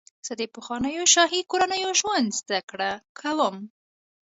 زه د پخوانیو شاهي کورنیو ژوند زدهکړه کوم.